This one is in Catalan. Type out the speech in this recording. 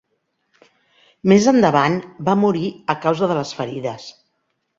Més endavant, va morir a causa de les ferides.